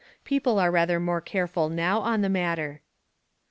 People are rather more careful now on the matter.